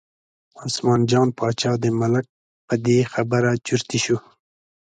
عثمان جان باچا د ملک په دې خبره چرتي شو.